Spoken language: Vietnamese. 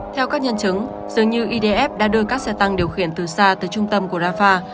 theo các nhân chứng dường như idf đã đưa các xe tăng điều khiển từ xa tới trung tâm của rafah